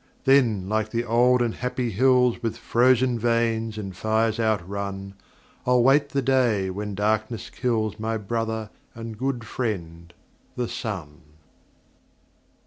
Then like the old and happy hills With frozen veins and fires outrun, I'll wait the day when darkness kills My brother and good friend, the Sun.